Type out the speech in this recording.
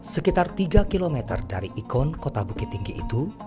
sekitar tiga km dari ikon kota bukit tinggi itu